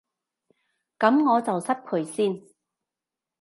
噉我就失陪先